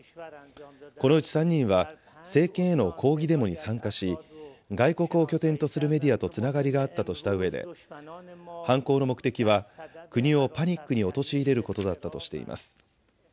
このうち３人は政権への抗議デモに参加し外国を拠点とするメディアとつながりがあったとしたうえで犯行の目的は国をパニックに陥れることだったとしています。